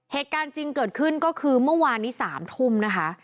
เหตุการณ์จริงเกิดขึ้นก็คือเมื่อวานนี้๓ทุ่มนะคะ